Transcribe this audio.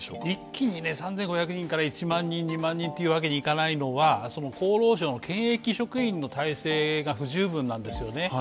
一気に３５００人から１万人、２万人といかないのは厚労省の検疫職員の体制が不十分なんですよね。